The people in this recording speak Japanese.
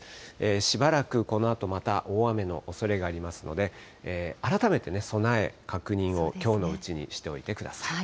しばらくこのあとまた大雨のおそれがありますので、改めて備え、確認をきょうのうちにしておいてください。